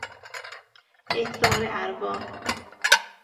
احضار ارواح